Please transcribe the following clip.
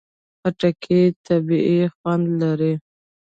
خټکی طبیعي خوند لري.